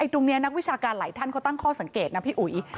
ตรงนี้นักวิชาการหลายท่านเขาตั้งข้อสังเกตนะพี่อุ๋ย